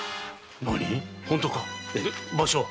何本当か⁉場所は？